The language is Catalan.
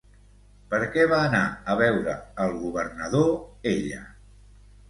Per què va anar a veure el governador ella?